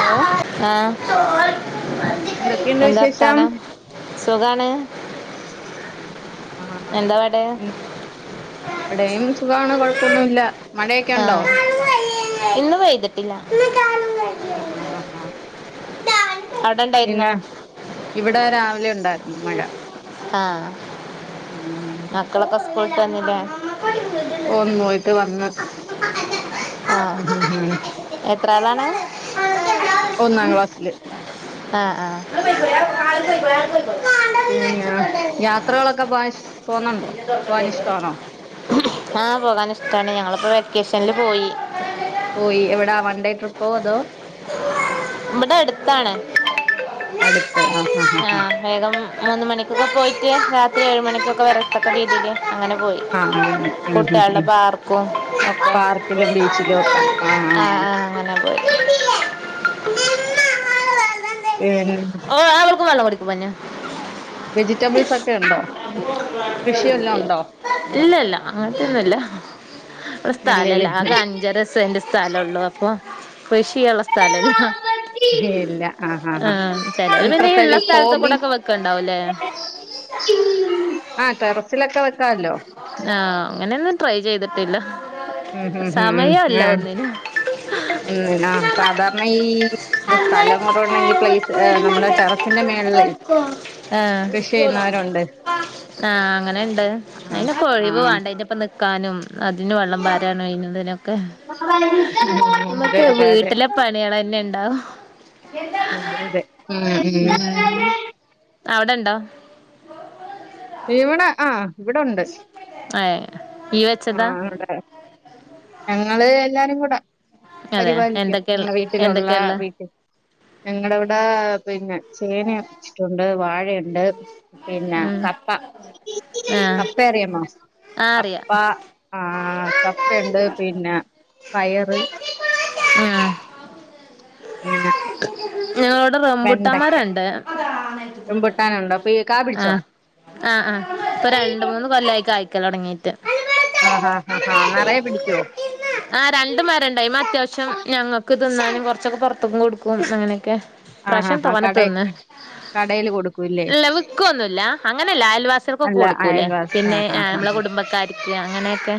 Hello ആ എന്തൊക്കെയുണ്ട് എന്താ വിശേഷം വർത്താനം സുഖാണ് ആഹ് എന്താ പാട് ഇവിടെയും സുഖാണ് കൊഴപ്പൊന്നു ഇല്ല മഴയൊക്കെ ഉണ്ടോ? ആഹ് ഇന്ന് പെയ്തിട്ടില്ല ആ ആ ആ അവിടെ ഉണ്ടായിരുന്നോ പിന്നെ ഇവിടെ രാവിലെ ഉണ്ടായിരുന്നു. മഴ ആഹ് ഉം ഉം സ്കൂൾട്ട് വന്ന് ലെ പോന് പോയിട്ട് വന്ന് ആ ഉം ഉം ഉം എത്ര ആളാണ്? ഒന്നാം ക്ലാസ്സില് ആ ആ പിന്നെ യാത്രകളൊക്കെ പോകാൻ പോന്നുണ്ടോ പോകാൻ ഇഷ്ടമാണോ? ആ പോകാൻ ഇഷ്ടാണ് ഞങ്ങളിപ്പോ വെക്കേഷനിൽ പോയി പോയി എവിടാ വൺ ഡേ ട്രിപ്പോ അതോ? ഇവിടെ അടുത്താണ്. അടുത്ത് ആ ആ ആ ആഹ് വേഗം മൂന്ന് മണിക്കൊക്കെ പോയിട്ട് രാത്രി ഏഴ് മണിക്കൊക്കെ വരത്തക്ക രീതീല് അങ്ങനെ പോയി ആഹ് അങ്ങനെ ഉം ഉം കുട്ട്യാൾടെ ഉം പാർക്കും ഒക്കെ പാർക്കിലും ബീച്ചിലും ഒക്കെ ആഹ് ആ ആഹ് ആ അങ്ങനെ പോയി [inaudible] പിന്നെ ഓ അവർക്ക നല്ല [unintelligible] വെജിറ്റബിൾസ് ഒക്കെണ് ഇല്ലല്ല അങ്ങത്തൊന്നുംല്ല സ്ഥലല്ല ഇല്ലല്ലേ ആകെ അഞ്ചരസെന്റ് സ്ഥലംള്ളൂ അപ്പൊ കൃഷിയുള്ള സ്ഥലല്ല ഇല്ല ആഹ് ആ ആഹ് ചിലർ പിന്നെള്ള സ്ഥത്ത കൂടെക്കെ വെക്കണ്ട ആ ടെറസിലൊക്കെ വെക്കാല്ലോ ഞനൊന്നും ട്രൈ ചെയ്തിട്ടില്ല ഉം ഉം ഉം ഉ സമയല്ല ആ ഒന്നിനും ഉ ആ സാധാരണ ഈ നമ്മള് സ്ഥലം കുറ ഉണ്ടെങ്കിൽ പ്ലേസ് നമ്മുടെ ടെറസിന്റെ മേ ആ ചെയ്യുന്നവരുണ്ട് ആഹ അങ്ങനുണ്ട് ആഹ് അന്നപ്പ ഒഴിവ് ആഹ് വണ്ട ഇതിനി ഇപ്പ നക്കാനും അതിന് വെള്ളം ഭാരാണ് [unintelligible] അതെ നമ്മക്ക് അതെ അതെ അതെ വീട്ടിലെ പണികള് തന്നെ ഇണ്ടാവും അതെയതെ ഉം ഉം അവിടെണ്ടോ ഇവിടൊണ്ട് ഏ ഈ വെച്ചതാ ഇവിടെ ഞങ്ങള് എല്ലാരും കൂടെ അതെ പരിപാലിക്കും എന്തൊക്കെള്ള ഞങ്ങടെ വീട്ടിലുള്ള എന്തൊക്കെള്ള വീട്ടിൽ ഞങ്ങളുടെ പിന്നെ ചേന വെച്ചിട്ടുണ്ട് വാഴയുണ്ട് പിന്നെ ഉം കപ്പ ആഹ് കപ്പ അറിയാമോ ആഹ് അറിയാ അപ്പാ ആ കപ്പയുണ്ട് പിന്നെ പയറ് [inaudible] ഇങ്ങനെ ഞങ്ങളോടെ വെണ്ടയ്ക്ക റംമ്പുട്ടമരുണ്ട് റംബുട്ടാനുണ്ടോ അപ്പൊ ഈ കാ ആ പിടിച്ചോ ആഹ് ആഹ് ഇപ്പൊ രണ്ട് മൂന്ന് കൊല്ലായി കായിക്കാൻ തുടങ്ങീട്ട്. ആ ഹാ ഹാ ആ നിറയെ പിടിക്കുവോ ആ രണ്ടുമരണ്ടായി അത്യാവശ്യം ഞങ്ങക്ക് തിന്നാനും കുറച്ചൊക്കെ പുറത്തും കൊടുക്കും അങ്ങനെയൊക്കെ ആഹ് ആഹ് പ്രാശം ആഹ് തോനെ കട തിന്ന് കടേല് കൊടുക്കൂല്ലേ ഇല്ല വിൽക്കൊന്നുമില്ല അങ്ങനെയല്ല അയൽവാസികൾക്ക് അല്ല കൊടുക്കൂല്ലേ അയൽവാസി പിന്നെ ആഹ് ആഹ് നമ്മള് ആഹ് കുടുംബക്കാരിക്ക് അങ്ങനെയൊക്കെ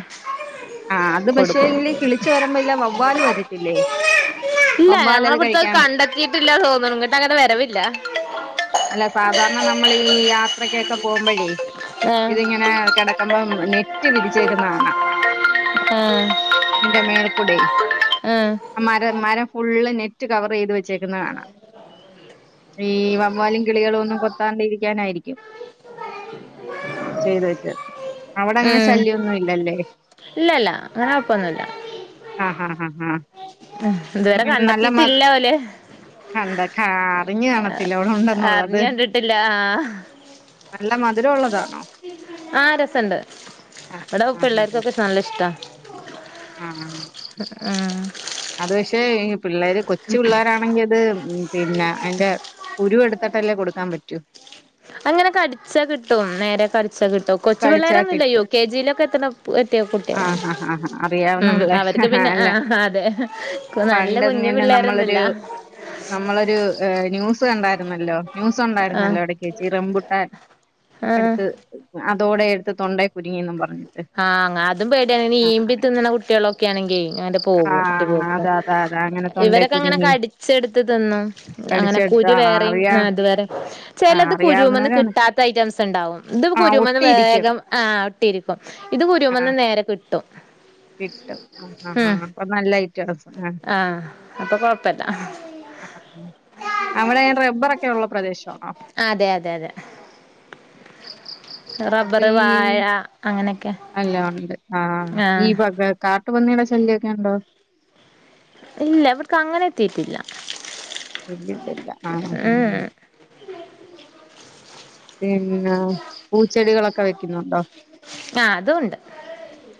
ആഹ് അത് പക്ഷേ കൊടുക്കും ഇല്ലി കിളിച്ചു വരുമ്പം ഇല്ല വവ്വാല് വരത്തില്ലേ വവ്വാല് അത് കഴിക്കാൻ ല്ല തോന്നുണുന്നട്ടങ്ങനെ വരവില്ല അല്ല സാധാരണ നമ്മളീ യാത്രക്കൊക്കെ പോകുമ്പോഴേ ആഹ് ഇതിങ്ങനെ കിടക്കുമ്പം നെറ്റ് വിധിച്ചേക്കുന്ന കാണാം ഉം അതിന്റെ മേൽക്കൂടെ ആ മര മരം ഫുള്ള് നെറ്റ് കവർ ചെയ്ത് വെച്ചേ ന്ന കാണാം ഈ വവ്വാലും കിളികളും ഒന്നും കൊത്താണ്ടിരിക്കാനായിരിക്കും ചെയ്തു വെച്ച അവിടെങ്ങനെ ഉം ശല്യൊന്നും ഇല്ലല്ലേ ഇല്ലല്ല അങ്ങനെ കൊഴപ്പൊന്നുല്ല ആഹ് ഹ ഹ ആ ഉ ഇതുവരെ ഉം, നല്ല മ കണ്ടെത്തീട്ടില്ല ലെവല് കണ്ട കറിഞ്ഞ കാണ ട്ടിലോടെ ഉണ്ടെന്നുള്ളത് അറിഞ്ഞ് കണ്ടിട്ടില്ല ആഹ് നല്ല മധുരള്ളതാ ആ രസുണ്ട് ആ ഇവിടെ ആ ആ പിള്ളേർക്കൊക്കെ നല്ല ഇഷ്ട്ടാ ആ. ആ അത് പക്ഷെ ഈ പിള്ളേര് കൊച്ച് പിള്ളേരാണെങ്കിൽ അത് പിന്നെ അതിന്റെ കുരു എടുത്തിട്ടല്ലേ കൊടുക്കാൻ പറ്റൂ അങ്ങനെ കടിച്ചാ കിട്ടും നേരെ കടിച്ചാ കിട്ടും കൊച്ചു കടിച്ചാ പിള്ളരൊന്നുല്ല യു കിട്ടും കെ ജിയിലൊക്കെ എത്തണ എത്തിയ ആ കുട്ടികളാണ് ഹാ ആ ഉം അറിയാവന്നുള്ളേ ആ അവർക്ക് ഹ് പിന്നെ അല്ല ആഹ് അതെ നല്ല കുഞ്ഞു പണ്ടന്നെന നമ്മളൊരു പിള്ളേരൊന്നുല്ല നമ്മളൊരു ന്യൂസ് കണ്ട ന്നല്ലോ ന്യൂസ് ആഹ് ഉണ്ടായിരുന്നല്ലോ എടുക്ക് വെച്ച് ഇ റംമ്പുട്ടാൻ ആഹ് എടുത്ത് ഇതോടെ എടുത്ത് തൊണ്ടെ കുരുങ്ങിന്നും പറഞ്ഞ് ആഹ് അങ്ങാ അതും പേടിയാണെങ്കി ഈമ്പി തിന്നണ കുട്ടികളൊക്കെ ആണെങ്കിൽ ഇങ്ങനെ പോ ആഹ് [unintelligible] അതാ അതാ അതാ അങ്ങനെ തൊണ്ടേ ഇവരൊക്കെ അങ്ങനെ കുരുങ്ങി കടിച്ചെടുത്ത് തിന്ന് അങ്ങനെ കടിച്ചെടുത്ത് കുരു ആ വേ അറിയാ കരയുന്നത് വരെ ആ ചിലത് കുരുമേന്ന് അറിയാവുന്നവരാണ് കിട്ടാത്തയിറ്റംസ്. ണ്ടാവും ഇത് ആ കുരുമേന്ന് ഒട്ടിയിരിക്കും വേഗം ആ ഇട്ടിരിക്കും ഇത് കുരുമേന്ന് ആഹ് നേരെ കിട്ട കിട്ടും ആ ആ ആ ഉം അപ്പൊ നല്ലയിറ്റം ആണ്‌ സ ആഹ് അപ്പൊ കൊഴപ്പല്ല ആ അവിടെ റബ്ബറൊക്കെ ഉള്ള പ്രദേശം അതെയതെയതെ അപ്പൊ ഈ അല്ല ഉണ്ട് ആഹ് ഈ വക കാ ട്ട് പന്നിയുടെ ശല്യൊക്കെ ഉണ്ടോ ഇല്ല ഇവർക്ക് അങ്ങനെ എത്തിട്ടില്ല ഇല്ലില്ല ആ ആ ആഹ് ഉം പിന്നെ പൂച്ചെടികളൊക്കെ വെക്കുന്നുണ്ടോ ആഹ് അതുണ്ട്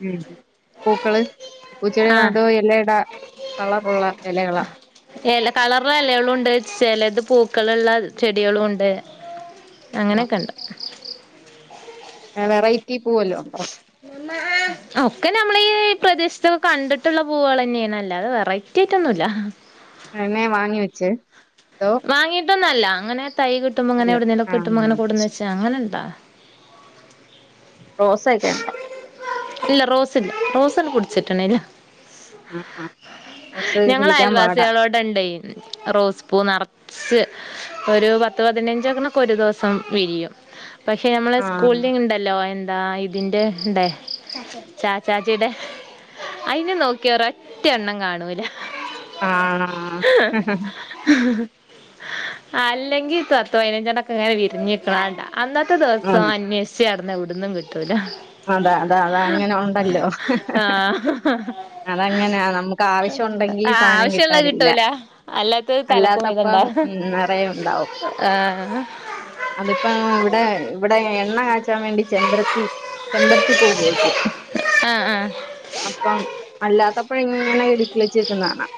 ഉം പൂക്കള് പൂച്ചെടികൾ ആഹ് അതോ ഇലയുടെ കളറുള്ള ഇലകളാണ് ഇല കളറുള്ള ഇലകളും ഉണ്ട് ചിലത് പൂക്കളുള്ള ചെടികളും ഉണ്ട് അങ്ങനെയൊക്കെ ഉണ്ട് ആ വെറൈറ്റി പൂവല്ലോ ഉണ്ടോ ഒക്കെ നമ്മളീ പ്രദേശത്തൊക്കെ കണ്ടിട്ടുള്ള പൂവള് തന്നെയാണ് അല്ലാതെ വെറൈറ്റി ആയിട്ടൊന്നുമില്ല തന്നെ വാങ്ങിവെച്ച് വാങ്ങിയിട്ടൊന്ന അല്ല അങ്ങനെ തൈ കിട്ടുമ്പോ അങ്ങനെ അല്ല എവിടുന്നേലുക്കെ കിട്ടുമ്പോ അങ്ങനെ ആഹ് കൊട്ന്ന് വെച്ചാ അനെണ്ടോ റോസ ഒക്കെ ഉണ്ടോ ഇല്ല റോസ് ഇല്ല റോസന്ന പിടിച്ചിട്ടില്ല ആഹ് ആഹ് റോസ് ഞങ്ങള് കിളിക്കാൻ പാടാ അയൽവാസികളോട് ഉണ്ടേ റോസ് പൂ നിറ ഒരു പത്ത് പതിനഞ്ചക്കനക്കെ ഒരു ദിവസം വിരിയും പക്ഷെ നമ്മള് ആഹ് സ്കൂള് ഉണ്ടല്ലോ എന്താ ഇ അതിന്റെ ണ്ടേ ചാച്ചാജിയുടെ അയിന് നോക്കിയറോ ഒറ്റ എണ്ണം കാണൂല ആണോ അല്ലെങ്കിൽ പത്ത് പതിനഞ്ചെണ്ടൊക്കെ ഇങ്ങനെ വിരിഞ്ഞ് നിക്കണണ്ട അന്നത്തെ ദിവസം അന്വേഷിച്ച് നടന്ന് നടന്നാ എവിടുന്ന് കിട്ടുല്ല അതെ അതെ അതാ അങ്ങനെ ഉണ്ടല്ലോ ആ അതങ്ങനെയ നമുക്ക് ആവശ്യം ഉണ്ടെങ്കിൽ ആ, സാധനം ആവശ്യമുള്ള കിട്ടാനില്ല കിട്ടൂല അല്ലാത്തത് അല്ലാത്തപ്പം ഉം നിറയെ ഉണ്ടാവും ആഹ് അതിപ്പ ഇവിടെ ഇവിടെ എണ്ണ കാച്ചാൻ വേണ്ടി ചെമ്പര ചെമ്പരത്തി പൂ ഉപയോഗിക്കും ആ ആ അപ്പം അല്ലാത്തപ്പഴിങ്ങനെ ഇത് കിളിച്ച് നിക്കണേ കാണാം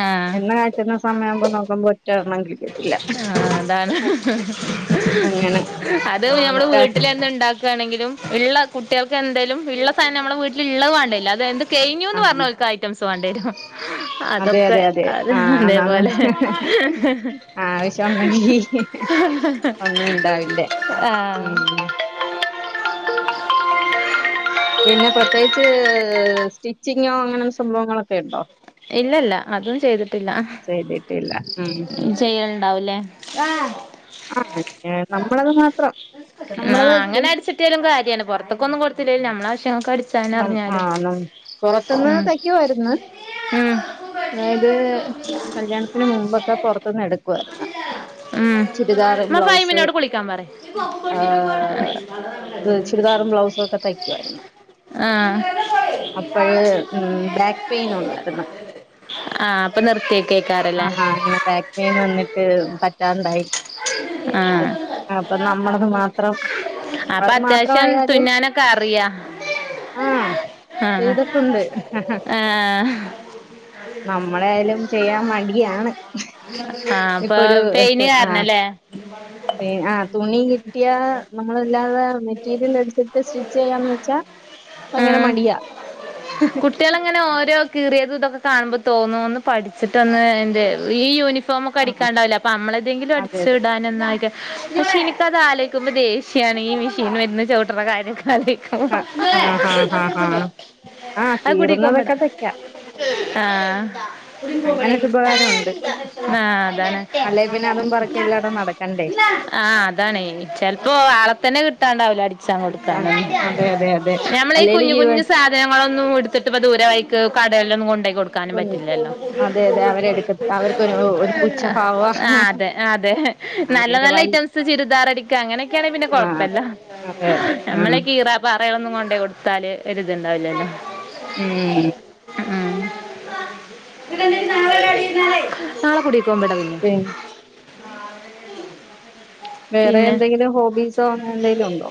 ആ എണ്ണ കാച്ചണ സമയമാകുമ്പോ നോക്കുമ്പോ എണ്ണം കിളിക്കത്തില്ല ആ അതാണ് അങ്ങനെ അത് ആ ഞമ്മള് നമുക്ക് വീട്ടിലെ ഉണ്ടാക്കുയാണെങ്കിലും ഉള്ള കുട്ടികൾക്ക് എന്തേലും ഉള്ള സാധനം നമ്മുടെ വീട്ടിൽ ഉള്ളത് വേണ്ടേല്ല അത് എന്ത് കഴിഞ്ഞു ആ എന്ന് പറഞ്ഞാൽ അവർക്ക് കാര്യം മനസ്സി തേണ്ടേരും അതെ അതൊക്കെ അതെ അതെ അത് ആ അതേപോലെ ആവശ്യണ്ടെങ്കി ഒന്നും ഇണ്ടാവില്ല ആഹ് മ് പിന്നെ പ്രത്യേകിച്ച് സ്റ്റിച്ചിങ്ങോ അങ്ങനെ സംഭവങ്ങളൊക്കെ ഉണ്ടോ ഇല്ലല്ല അതൊന്നും ചെയ്ത ട്ടില്ല ചെയ്തിട്ടില്ല ഉം ഉം. ചെയ്യലുണ്ടാവൂല്ലേ ആ നമ്മളത് മാത്രം ആഹ് നമ്മളത് അങ്ങനെ അടിച്ചിട്ട്യാലും കാര്യണ് പൊറത്ത്ക്കൊന്നും കൊട്ത്തില്ലേലും നമ്മളാവശ്യ ഉ ആഹ നമ് പുറത്ത്ന്ന് ഉം തക്കുവായിരുന്ന് ഉം അതായത് കല്യാണത്തിന് മുമ്പൊക്കെ പുറത്ത്ന്ന് എടുക്കുവായിര്ന്ന് [inaudible] ഉം ഉമ്മ ഫൈമിനോട് കുളിക്കാൻ പറയ് ബ്ലൗസൊക്കെ തയ്ക്കുവായിരുന്നു ആഹ് അപ്പഴ് ബാക്പെയ്നുണ്ടായ്രുന്നു ആഹ് അപ്പൊ ആ നിർത്തിയേക്കേക്കാരല്ലേ അങ്ങനെ ബാക്ക് പെയിൻ വന്നിട്ട് പറ്റാണ്ടായി ആഹ് അപ്പ ന്നമ്മളത് മാത്രം അപ്പ നമ്മളത് അത്യാവശ്യം തുന്നാനൊക്കെ അറിയാം ആഹ ചെയ്തുട്ടുണ്ട് ആഹ് നമ്മളെആയാലും ചെയ്യാൻ മടിയാണ് ആഹ് അപ്പൊ ഇപ്പൊരു പെയിന് [inaudible] ആ തുണി കിട്ട്യാ നമ്മളല്ലാതെ മെറ്റീരിയൽ എടുത്തിട്ട് സ്റ്റിച്ചെയ്യാന്ന് വെച്ചാ ആ ഭയങ്കര മടിയാ കുട്ടിയളങ്ങനെ ഓരോ കീറി തേതു ഇതൊക്കെ കാണുമ്പോ തോന്നും ഒന്ന്പഠിച്ച്ട്ടൊന്ന് എന്റെ ഈ ഒര് ഫോമൊക്കെ ആ അടിക്കാണ്ടാവില്ലേ അപ്പഅമ്മളെന്തെങ്കിലും അതെ അതെ അടിച്ച്ടാനെന്നാകെ പക്ഷെ എനിക്കത് ആലോയ്ക്കുമ്പോ ദേഷ്യാണ് ഈ മെഷീൻമിരുന്ന് ചൗട്ടണ കാര്യക്കെ [inaudible] ആഹ കീറുന്നതൊക്കെ തെക്കാ ഹാ ഹാ അങ്ങനൊരു ഉപകാരം ഉണ്ട് അതാണ് അല്ലെ പിന്നെ അതും പറക്കി എല്ലായിടവും നടക്കണ്ടേ ആഹ അതാണെയ് ചെലപ്പോ ആളത്തനെ കിട്ടാണ്ടാവൂല അടി ചാൻ കിട്ടാൻ കൊടുക്കാനൊന്നും അതെ അതെ അതെ നമ്മളീ അല്ലേലും കുഞ്ഞു ഈ കുഞ് സാധനങ്ങ ങ്ങളൊന്നും എടുത്തിട്ട് ഇ ദൂര വൈക്ക് കടേലൊന്നും കൊണ്ടയ് കൊട്ക്കാനും കൊ പറ്റില്ലല്ലോ അതെ അതെ അവരെടുക്ക അവർക്കൊരു ഒരു പുച്ഛഭാവാ ആഹ് തെ അതെ ആ നല്ല ഇല്ല നല്ല വൽ ഐറ്റംസ് ചുരിദാറടിക്ക അങ്ങനെയൊക്കെയാണങ്ങെ പിന്നെ ആ കൊഴപ്പല്ല അതെ അതെ ആ നമ്മളെ കീറ പാറകളൊന്നും കൊണ്ടോ യ് കൊടുത്താല് ഒരിതുണ്ടാവില്ലല്ലോ ഉം ഉ നാളെ കുടി [unintelligible] പിന്നെ വേറെ പിന്നെ എന്തെങ്കിലും ഹോബീസോ അങ്ങന എന്തെങ്കിലും ഉണ്ടോ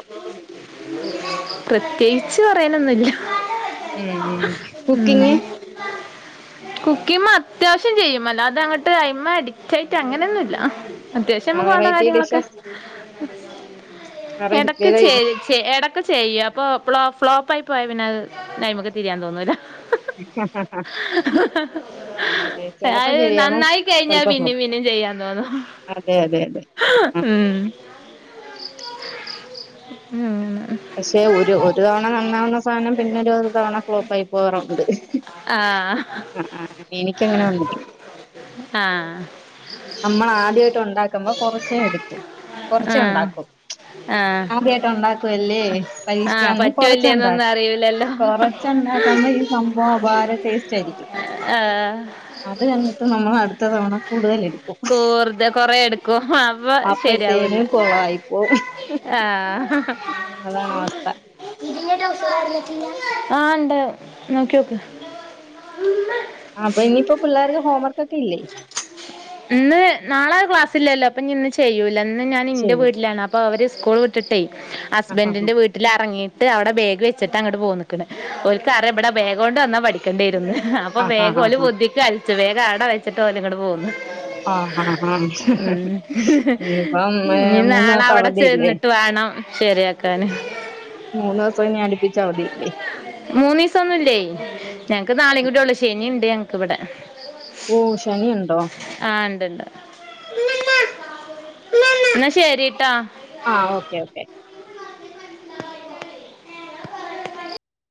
പ്രത്യേകിച്ച് പറയാനൊന്നുല്ല ഉം ഉ കുക്കിങ് കുക്കിമത്യാവശ്യം ചെയ്യും മല്ലാതെ അങ്ട്ട് അയ്മെ അടിറ്റായ്ട്ട് അങ്ങനെയൊന്നുല്ല അത്യാവശ്യം ആഹ് നമുക്ക് വേണ്ട വെറൈറ്റി കാര്യങ്ങളൊക്കെ ഡിഷസ് എടക്ക് വെറൈ ചെരി ച്ചെ ക്കെ ചെയ്യപ്പൊ പ്ലോ ഫ്ലോപ്പായി പോയപിന്നത് പിനയ്മക്ക് തിരിയാൻ തോന്നൂല്ല [inaudible] ആഹ് അതെ ചെലപ്പോ അത് ശരിയാവും നന്നായി കഴിഞ്ഞാൽ ചെലപ്പോ ഫ്ലോപ്പ് പിനേം പിനേം ചെയ്യാൻ തോന്നും അതെ അതെ അതെ ആ ഉം. ഉം പക്ഷെ ഒരു ഒരു തവണ നന്നാവുന്ന സാനം പിന്നെ ഒരു തവണ ഫ്‌ളോപ്പായി പോവാറുണ്ട് ആ ആ ആ എനിക്കങ്ങനെ വന്നിട്ടുണ്ട് ആഹ നമ്മൾ ആദ്യയിട്ട് ഉണ്ടാക്കുമ്പോ കൊറച്ചേ എടുക്കു കൊറച്ചേ ആ ഉണ്ടാക്കു ആ ആദ്യായിട്ട ഉണ്ടാക്കുവല്ലേ ആ പരീക്ഷിക്കാനും കൊറച്ച പറ്റുമല്ലേന്നൊന്നും ഉണ്ടാക്കും അറിയില്ലല്ലോ കൊറച്ച ക്കുമ്പ ഈ സംഭവം അ വേറെ ടേസ്റ്റ് ആയിരിക്കും ആ അത് തന്നിട്ട് നമ്മൾ അടുത്ത തവണ കൂടുതല കൂറുതെ കൊറെ എടുക്കും അപ്പ ശരിയാവൂല അപ്പഴത്തേനും കൊളായിപ്പോവും ആഹ അതാണ് അവസ്ഥ ഇ ആഹ ഇണ്ട് നോക്കിോക്ക് ആ അപ്പൊ ഇനിയിപ്പോ പിള്ളേർക്ക് ഹോംവർക്കക്കൊക്കെ ഇല്ലേ ഇന്ന് നാളെ ക്ലാസ്സില്ലല്ലോ അപ്പൊ ഇന്ന് ചെയ്യൂല്ല ഇന്ന് ഞാൻ എൻന്റെ ചെയ്യും വീട്ടിലാണ് അപ്പൊ അവര് സ്കൂൾ വിട്ടിട്ടേ ആഹ് ആഹ് ഹസ്ബൻറിിന്റെ വീട്ടിൽ ഇറങ്ങിട്ട് ് അവിടെ ബേഗ് വച്ചിട്ട് അങ്ങോ് പോയി നിിക്കണ് ഒരിക്കറ എവിടെ ബേഗ് കൊണ്ട് വന്നാ പഠിക്കേണ്ടിയിരന്ന് അപ്പൊ ആഹ് ആഹ് വേഗംല ആഹ് ബുദ്ധിക്ക് അലിച്ചു വേഗം അട വഴിച്ചിട്ട്ഓല ഇങ്ങോട് പോകുന്നു ആഹ് ആഹ് ആഹ് ഉ ഇനിയിപ്പം ഏ, നീ മൂന്ന് നാളെ ദിവസം അവിടെ അവധിയല്ലേ? ചെന്നിട്ട് വേണം ശരിയാക്കാന് മൂന്ന് ദിവസം ഞാാനിപ്പിച്ച അവധല്ലേ മൂന്നു ദിവസം ഒന്നുമല്ലേ ഞങ്ങക്ക് നാളെയും കൂടിയേള്ളു ശനിയ ഉണ്ട് ഞങ്ങക്കിവിടെ ഓ ശനിയുണ്ടോ ഉണ്ട് എന്നാ ശരിട്ടോ ആഹ ഓക്കെ ഓക്കെ